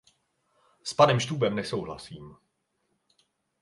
S panem Stubbem nesouhlasím.